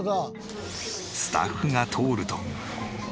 スタッフが通ると。